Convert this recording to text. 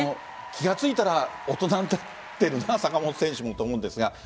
気が付いたら大人になってるなあと、坂本選手もと思うんですが。